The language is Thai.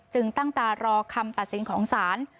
ตั้งตารอคำตัดสินของศาล